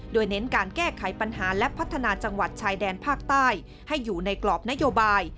โดยเน้นการแก้ไขปัญหาและพัฒนาจังหวัดชายแดนภาคใต้ให้อยู่ในกรอบนโยบาย